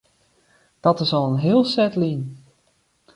Dat is al in heel set lyn.